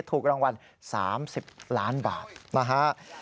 ถูกรางวัล๓๐ล้านบาทนะฮะ